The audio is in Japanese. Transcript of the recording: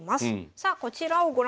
さあこちらをご覧ください。